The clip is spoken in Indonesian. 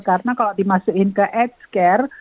karena kalau dimasukin ke aged care